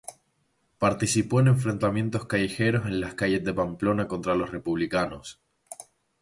Participó en enfrentamientos callejeros en las calles de Pamplona contra los republicanos.